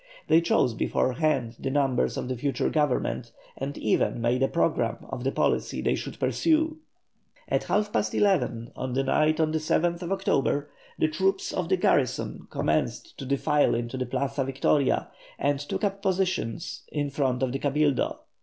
They chose beforehand the members of the future Government, and even made a programme of the policy they should pursue. At half past eleven on the night of the 7th October the troops of the garrison commenced to defile into the Plaza Victoria, and took up positions in front of the Cabildo.